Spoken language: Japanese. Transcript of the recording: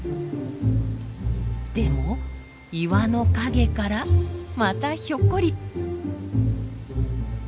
でも岩の陰からまたひょっこり。